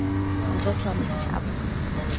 Mtoto amechapwa.